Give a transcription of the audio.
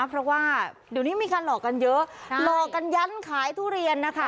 เพราะว่าเดี๋ยวนี้มีการหลอกกันเยอะหลอกกันยั้นขายทุเรียนนะคะ